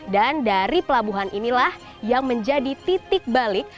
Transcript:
dan dari pelabuhan inilah yang menjadi titik balik